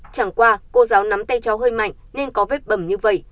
chẳng qua cô giáo nắm tay cháu hơi mạnh nên có vết bầm như vậy